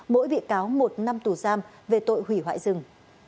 mỗi bị cáo một năm tù giam về tội hủy hoại rừng